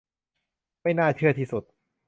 ไม่น่าเชื่อที่สุด